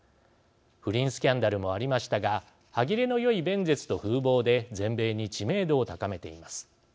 不倫スキャンダルもありましたが歯切れのよい弁舌と風貌で全米に知名度を高めています。